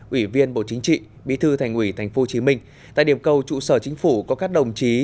ủy viên bộ chính trị bí thư thành ủy tp hcm tại điểm cầu trụ sở chính phủ có các đồng chí